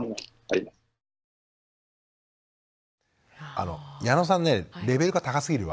あの矢野さんねレベルが高すぎるわ。